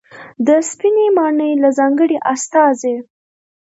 د سپینې ماڼۍ له ځانګړې استازي